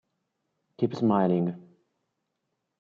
Keep Smiling